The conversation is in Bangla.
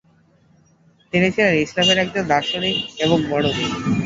তিনি ছিলেন ইসলামের একজন দার্শনিক এবং মরমী।